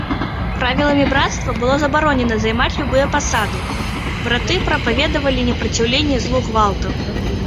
Правіламі брацтва было забаронена займаць любыя пасады, браты прапаведавалі непраціўленне злу гвалтам.